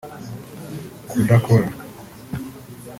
kudakora